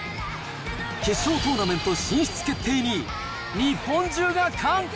決勝トーナメント進出決定に、日本中が歓喜。